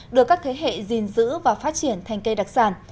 được các thế hệ gìn giữ và phát triển thành cây đặc sản